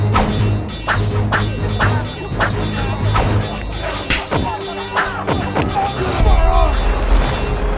kamu pasti akan mengerti